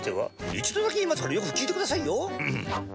一度だけ言いますからよく聞いてくださいよ。